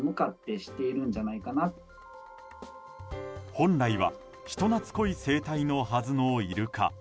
本来は人懐こい生態のはずのイルカ。